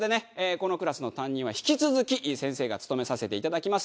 このクラスの担任は引き続き先生が務めさせていただきます。